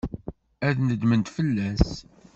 Ad nedment fell-as.